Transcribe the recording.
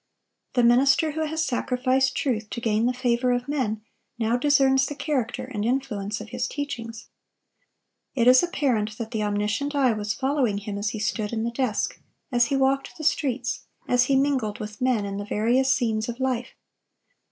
The minister who has sacrificed truth to gain the favor of men, now discerns the character and influence of his teachings. It is apparent that the omniscient eye was following him as he stood in the desk, as he walked the streets, as he mingled with men in the various scenes of life.